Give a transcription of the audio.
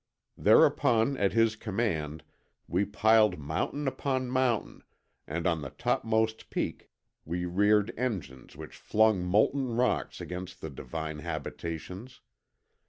"Thereupon, at his command, we piled mountain upon mountain and on the topmost peak we reared engines which flung molten rocks against the divine habitations.